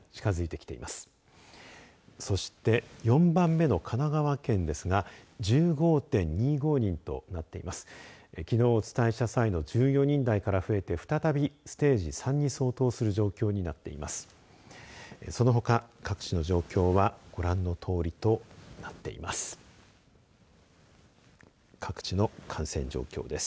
きのうお伝えした際の１４人台から増えて再び、ステージ３に相当する状況になっています。